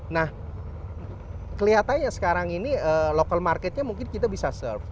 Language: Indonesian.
nah kelihatannya sekarang ini local marketnya mungkin kita bisa serve